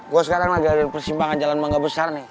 gue sekarang lagi ada di persimpangan jalan mangga besar nih